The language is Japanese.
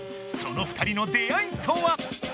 その２人の出会いとは？